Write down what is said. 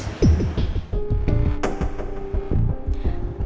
tidak ada yang perlu dibahas lagi sih mas